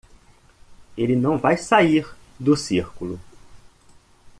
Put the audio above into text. Ele não vai sair do círculo.